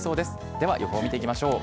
では予報見ていきましょう。